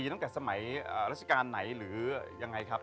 ตั้งแต่สมัยราชการไหนหรือยังไงครับ